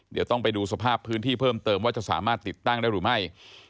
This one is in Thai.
เดี๋ยวต้องไปดูสภาพพื้นที่เพิ่มเติมว่าจะสามารถติดตั้งได้หรือไม่